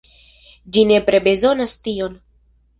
Ĝi nepre bezonas tion.